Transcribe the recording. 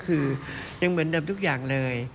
คือยังเหมือนเดิมทุกอย่างเลย